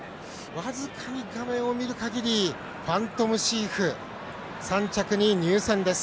僅かに画面を見るかぎりファントムシーフ３着に入線です。